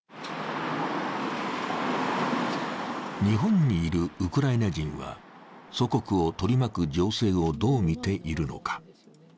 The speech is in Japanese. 日本にいるウクライナ人は祖国を取り巻く情勢をどうみているのか。